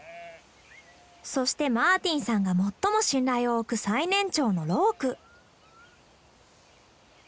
そしてマーティンさんが最も信頼をおく最年長のローク。